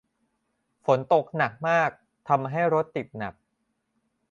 ฝนตกหนักมาก ทำให้รถติดหนัก